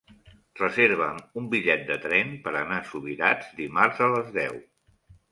Reserva'm un bitllet de tren per anar a Subirats dimarts a les deu.